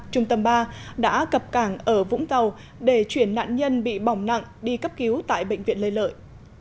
trung tâm ba đã cập cảng ở vũng tàu để chuyển nạn nhân bị bỏng nặng đi cấp cứu tại bệnh viện lê lợi